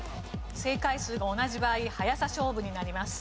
正解数が同じ場合早さ勝負になります。